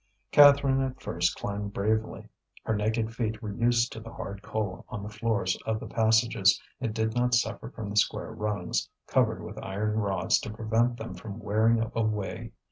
Catherine at first climbed bravely. Her naked feet were used to the hard coal on the floors of the passages, and did not suffer from the square rungs, covered with iron rods to prevent them from wearing away.